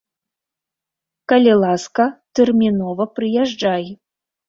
Калі ласка, тэрмінова прыязджай.